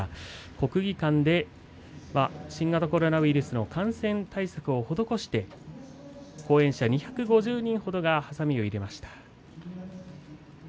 国技館で新型コロナウイルス感染対策を施して後援者２５０人ほどがはさみを入れました。